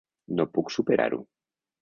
No puc superar-ho.